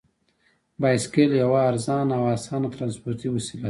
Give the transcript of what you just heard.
بایسکل یوه ارزانه او اسانه ترانسپورتي وسیله ده.